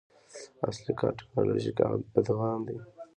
اصلي کار ټکنالوژیک ادغام دی.